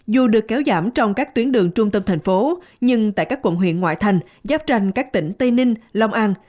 dù được kéo giảm trong các tuyến đường trung tâm thành phố nhưng tại các quận huyện ngoại thành giáp ranh các tỉnh tây ninh long an